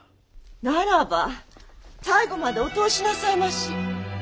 ならば最後までお通しなさいまし。